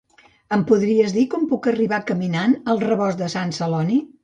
Em podries dir com puc arribar caminant al Rebost de Sant Celoni?